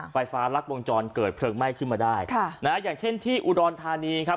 ไฟฟ้ารัดวงจรเกิดเพลิงไหม้ขึ้นมาได้ค่ะนะฮะอย่างเช่นที่อุดรธานีครับ